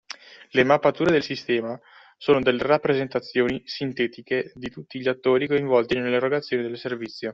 Le mappature del sistema sono delle rappresentazioni sintetiche di tutti gli attori coinvolti nell’erogazione del servizio